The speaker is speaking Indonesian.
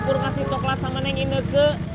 pur kasih coklat sama neng inege